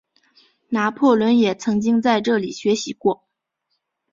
拿破仑也曾经在这里学习过。